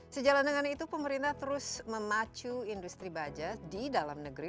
sejalan dengan itu pemerintah terus memacu industri baja di dalam negeri